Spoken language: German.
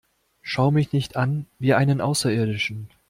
Schau mich nicht an wie einen Außerirdischen!